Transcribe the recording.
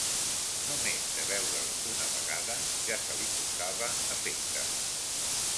No més de veure-l una vegada ja se li posava afecte.